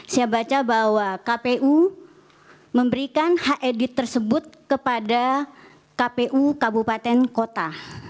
saya baca bahwa kpu memberikan hak edit tersebut kepada kpu kabupaten kota